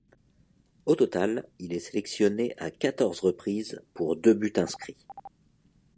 Au total, il est sélectionné à quatorze reprises pour deux buts inscrits.